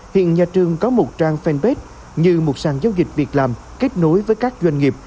hiện nhà trường có một trang fanpage như một sàn giao dịch việc làm kết nối với các doanh nghiệp